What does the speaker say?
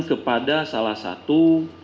kepada salah satu